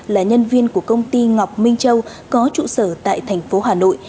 là nhân viên của công ty ngọc minh châu có trụ sở tại tp hà nội